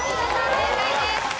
正解です。